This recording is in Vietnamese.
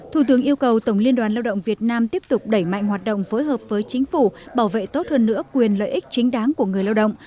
thủ tướng yêu cầu tổng liên đoàn lao động việt nam tiếp tục đẩy mạnh hoạt động phối hợp với chính phủ bảo vệ tốt hơn nữa quyền lợi ích chính đáng của người lao động